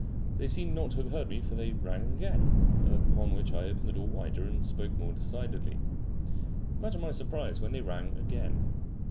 They seemed not to have heard me for they rang again, upon which I opened the door wider and spoke more decidedly. Imagine my surprise when they rang again.